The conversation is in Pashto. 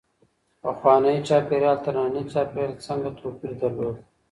پخوانی چاپېریال تر ننني چاپېریال څنګه توپیر درلود؟